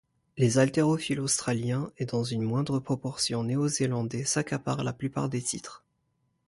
Les haltérophiles australiens et dans une moindre proportion néo-zélandais s'accaparent la plupart des titres.